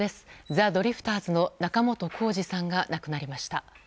ザ・ドリフターズの仲本工事さんが亡くなりました。